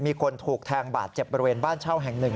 มีคนถูกแทงบาดเจ็บบริเวณบ้านเช่าแห่งหนึ่ง